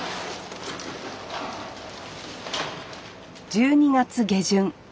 １２月下旬。